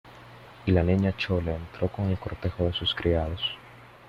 y la Niña Chole entró con el cortejo de sus criados.